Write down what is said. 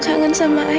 mir kangen sama ayah